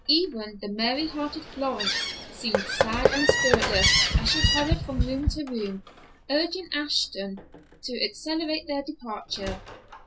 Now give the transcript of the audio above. Even the merry hearted Florence seemed sad and spiritless as she hurried from room to room, urging Ashton to accelerate their departure.